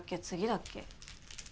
「次」だっけ？